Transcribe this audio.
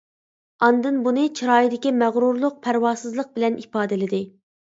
ئاندىن بۇنى چىرايىدىكى مەغرۇرلۇق، پەرۋاسىزلىق بىلەن ئىپادىلىدى.